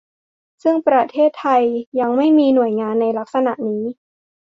ซึ่งประเทศไทยยังไม่มีหน่วยงานในลักษณะนี้